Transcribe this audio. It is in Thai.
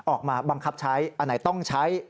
ออกมาบังคับใช้อันไหนต้องใช้